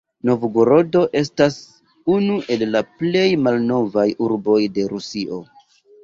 Novgorodo estas unu el la plej malnovaj urboj de Rusio.